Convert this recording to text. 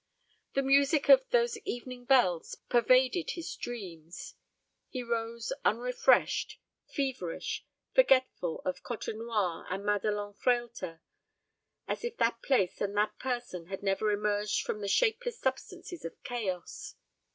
The music of "Those evening bells" pervaded his dreams. He rose unrefreshed, feverish, forgetful of Côtenoir and Madelon Frehlter, as if that place and that person had never emerged from the shapeless substances of chaos.